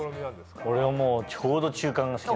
俺はもうちょうど中間が好き。